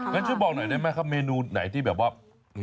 งั้นช่วยบอกหน่อยได้ไหมครับเมนูไหนที่แบบว่า